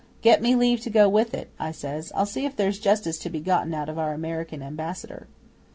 '"Get me leave to go with it," I says. "I'll see if there's justice to be gotten out of our American Ambassador."